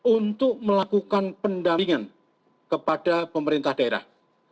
untuk melakukan pendampingan kepada pemerintah daerah